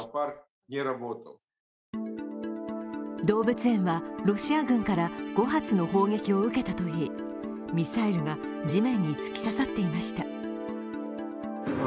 動物園はロシア軍から５発の砲撃を受けたといい、ミサイルが地面に突き刺さっていました。